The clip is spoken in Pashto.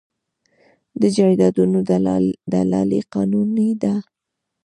د جایدادونو دلالي قانوني ده؟